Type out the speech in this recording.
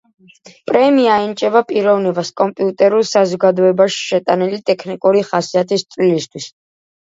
პრემია ენიჭება პიროვნებას „კომპიუტერულ საზოგადოებაში შეტანილი ტექნიკური ხასიათის წვლილისთვის“.